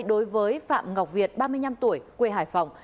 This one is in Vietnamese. đối với phạm ngọc việt ba mươi năm tuổi quê hải phòng